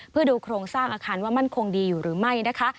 เพื่อดูโครงสร้างอาคารว่ามั่นคงดีอยู่หรือไม่นะคะ